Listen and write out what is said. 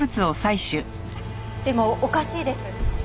でもおかしいです。